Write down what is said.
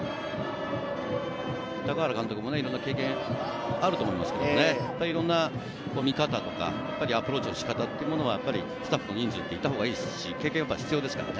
高原監督も今の経験あると思いますが、いろんな見方とか、アプローチの仕方というのは、スタッフの人数っていたほうがいいし、経験は必要ですからね。